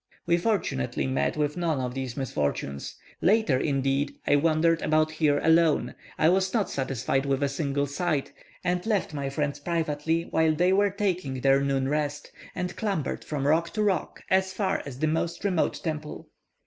We fortunately met with none of these misfortunes. Later, indeed, I wandered about here alone. I was not satisfied with a single sight, and left my friends privately while they were taking their noon rest, and clambered from rock to rock as far as the most remote temple.